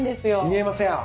見えませんよ。